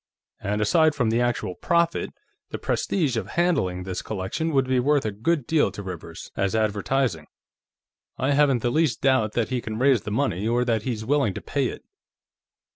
And, aside from the actual profit, the prestige of handling this collection would be worth a good deal to Rivers, as advertising. I haven't the least doubt that he can raise the money, or that he's willing to pay it."